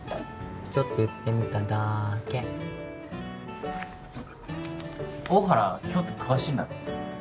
ちょっと言ってみただけ大原京都詳しいんだね